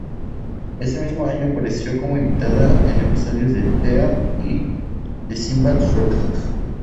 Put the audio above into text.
Ese mismo año, apareció como invitada en episodios de "Thea" "y The Sinbad Show".